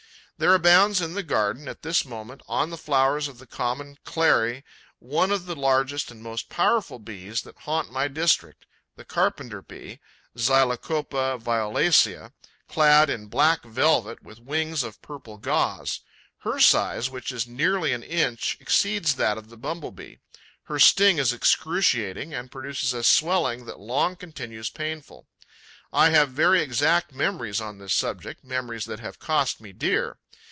There abounds in the garden, at this moment, on the flowers of the common clary, one of the largest and most powerful Bees that haunt my district, the Carpenter bee (Xylocopa violacea), clad in black velvet, with wings of purple gauze. Her size, which is nearly an inch, exceeds that of the Bumble bee. Her sting is excruciating and produces a swelling that long continues painful. I have very exact memories on this subject, memories that have cost me dear.